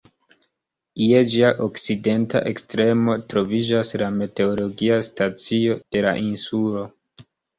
Je ĝia okcidenta ekstremo troviĝas la meteologia stacio de la insulo.